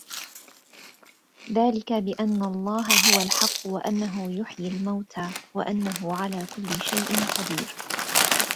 ذَلِكَ بِأَنَّ اللَّهَ هُوَ الْحَقُّ وَأَنَّهُ يُحْيِي الْمَوْتَى وَأَنَّهُ عَلَى كُلِّ شَيْءٍ قَدِيرٌ